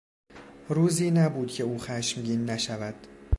روزی نبود که او خشمگین نشود.